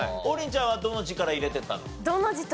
王林ちゃんはどの字から入れていったの？